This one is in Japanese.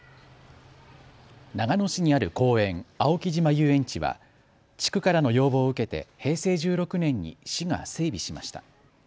長野市にある公園、青木島遊園地は地区からの要望を受けて平成１６年に市が整備しました。